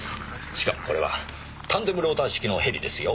しかもこれはタンデムローター式のヘリですよ。